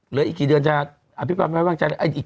เหลืออีกกี่เดือนจะอภิกาไว้ว่างใจ